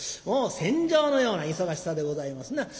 もう戦場のような忙しさでございますな。